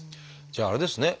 じゃああれですね